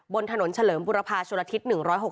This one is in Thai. บนถนนเฉลิมปุรภาชวนอาทิตย์๑๖๕